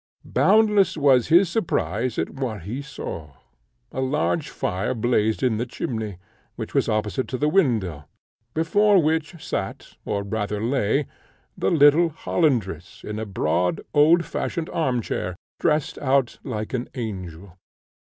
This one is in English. Boundless was his surprise at what he saw. A large fire blazed in the chimney, which was opposite to the window, before which sate, or rather lay, the little Hollandress in a broad old fashioned armchair, dressed out like an angel.